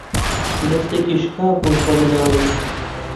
دەستێکی شکا بوو بە مناڵی